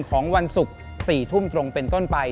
วันศุกร์๔ทุ่มตรงเป็นต้นไป